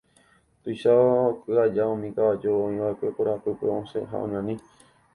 Tuicha oky aja umi kavaju oĩva'ekue korapýpe osẽ ha oñani.